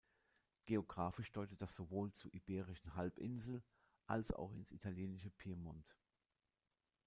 Geographisch deutet das sowohl zur Iberischen Halbinsel als auch ins italienische Piemont.